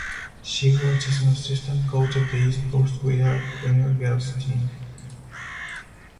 She works as an assistant coach of the East Coast Wizards junior girls team.